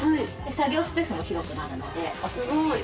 作業スペースも広くなるのでおすすめです。